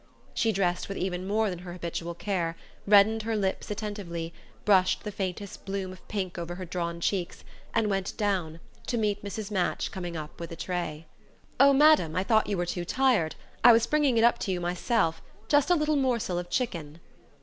She dressed with even more than her habitual care, reddened her lips attentively, brushed the faintest bloom of pink over her drawn cheeks, and went down to meet Mrs. Match coming up with a tray. "Oh, Madam, I thought you were too tired.... I was bringing it up to you myself just a little morsel of chicken."